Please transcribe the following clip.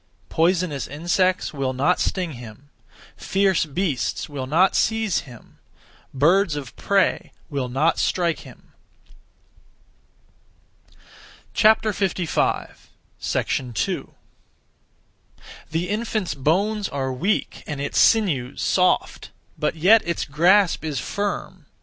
Poisonous insects will not sting him; fierce beasts will not seize him; birds of prey will not strike him. 2. (The infant's) bones are weak and its sinews soft, but yet its grasp is firm.